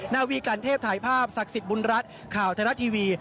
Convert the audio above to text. นาวีกันเทพถ่ายภาพศักดิ์สิทธิ์บุญรัฐข่าวไทยรัฐทีวี